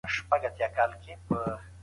په اسلام کې لارې باسي زموږ د خاورې بربادی ته